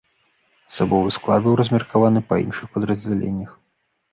Асабовы склад быў размеркаваны па іншых падраздзяленнях.